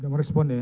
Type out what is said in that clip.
gak merespon ya ya